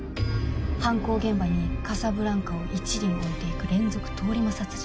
犯行現場にカサブランカを一輪置いていく連続通り魔殺人。